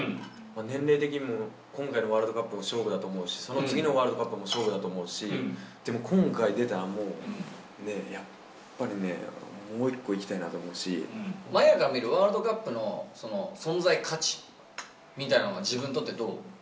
年齢的にも、今回のワールドカップが勝負だと思うし、その次のワールドカップも勝負だと思うし、でも、今回出たらもう、ねえ、やっぱりね、麻也が見る、ワールドカップのその存在価値みたいなのは、自分にとってどう？